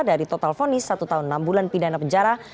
dari total fonis satu tahun enam bulan pidana penjara